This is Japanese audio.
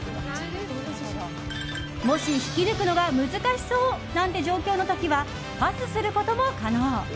もし引き抜くのが難しそうなんて状況の時はパスすることも可能。